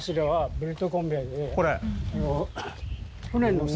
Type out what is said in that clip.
ベルトコンベアで？